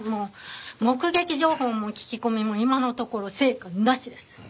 目撃情報も聞き込みも今のところ成果なしです。